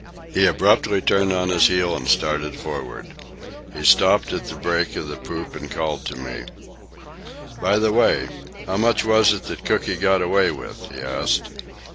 He abruptly turned on his heel and started forward. He stopped at the break of the poop and called me to him. "By the way, how much was it that Cooky got away with?" he asked.